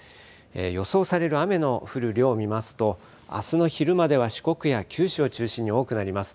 予想される雨の降る量、見ますとあすの昼までは四国や九州を中心に多くなります。